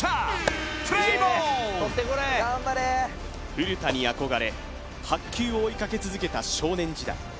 古田に憧れ白球を追いかけ続けた少年時代